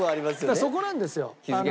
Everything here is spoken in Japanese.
そこなんですよ。